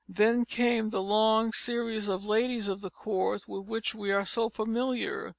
Then came the long series of ladies of the Court with which we are so familiar.